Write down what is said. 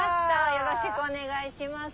よろしくお願いします。